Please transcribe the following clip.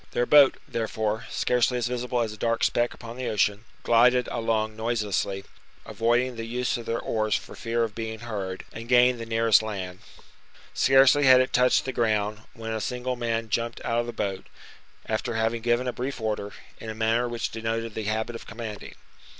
Their boat, therefore, scarcely as visible as a dark speck upon the ocean, gilded along noiselessly, avoiding the use of their oars for fear of being heard, and gained the nearest land. Scarcely had it touched the ground when a single man jumped out of the boat, after having given a brief order, in a manner which denoted the habit of commanding.